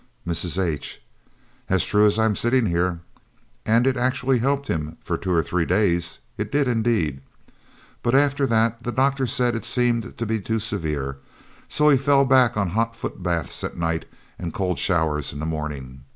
Mrs. H. "As true as I'm sitting here. And it actually helped him for two or three days; it did indeed. But after that the doctor said it seemed to be too severe and so he has fell back on hot foot baths at night and cold showers in the morning.